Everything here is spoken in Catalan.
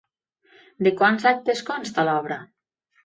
De quants actes consta l'obra?